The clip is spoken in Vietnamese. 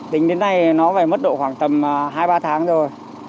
tính đến nay nó phải mất độ khoảng tầm hai ba tháng rồi